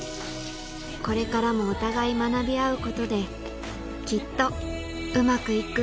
これからもお互い学び合うことできっとウマくいく